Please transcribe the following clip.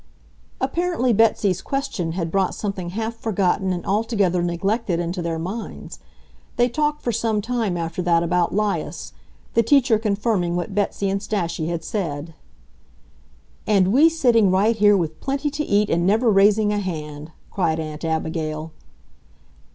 Apparently Betsy's question had brought something half forgotten and altogether neglected into their minds. They talked for some time after that about 'Lias, the teacher confirming what Betsy and Stashie had said. "And we sitting right here with plenty to eat and never raising a hand!" cried Aunt Abigail.